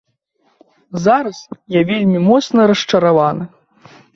Зараз я вельмі моцна расчараваны.